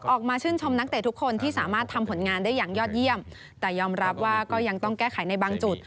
ออกมาชื่นชมนักเตะทุกคนที่สามารถทำผลงานได้อย่างยอดเยี่ยมแต่ยอมรับว่าก็ยังต้องแก้ไขในบางจุด